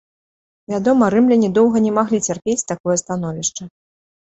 Вядома, рымляне доўга не маглі цярпець такое становішча.